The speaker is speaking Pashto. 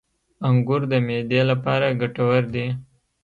• انګور د معدې لپاره ګټور دي.